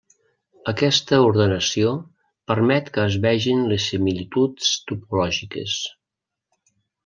Aquesta ordenació permet que es vegin les similituds topològiques.